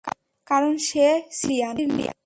কারন সে সিসিলিয়ান।